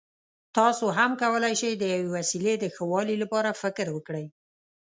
تاسو هم کولای شئ د یوې وسیلې د ښه والي لپاره فکر وکړئ.